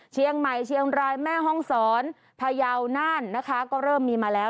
เชียงใหม่เชียงรายแม่ห้องศรพยาวน่านนะคะก็เริ่มมีมาแล้ว